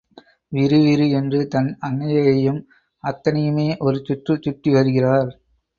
விறு விறு என்று தன் அன்னையையும் அத்தனையுமே ஒரு சுற்றுச் சுற்றி வருகிறார்.